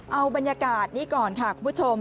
เอาบรรยากาศนี้ก่อนค่ะคุณผู้ชม